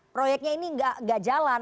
proyeknya ini tidak jalan